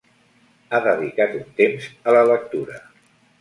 Ha dedicat un temps a la lectura.